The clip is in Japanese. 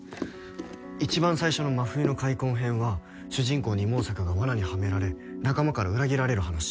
一番最初の『真冬の開墾』編は主人公二毛作が罠にハメられ仲間から裏切られる話。